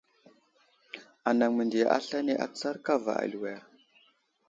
Anaŋ məndiya aslane atsar kava aliwer.